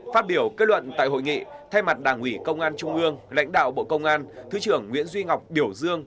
phát biểu kết luận tại hội nghị thay mặt đảng ủy công an trung ương lãnh đạo bộ công an thứ trưởng nguyễn duy ngọc biểu dương